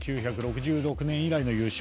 １９６６年以来の優勝。